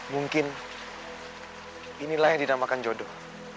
mungkin inilah yang dinamakan jodoh